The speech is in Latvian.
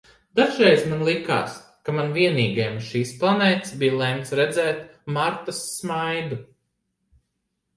Dažreiz man likās, ka man vienīgajam uz šīs planētas bija lemts redzēt Martas smaidu.